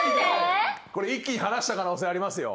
これ一気に離した可能性ありますよ。